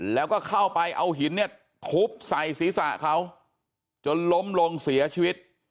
แล้วก็เข้าไปเอาหินเนี่ยทุบใส่ศีรษะเขาจนล้มลงเสียชีวิต